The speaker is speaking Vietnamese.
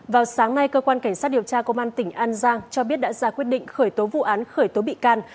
vào sáng nay cơ quan cảnh sát điều tra công an tỉnh an giang cho biết đã ra quyết định khởi tố vụ án khởi tố bị can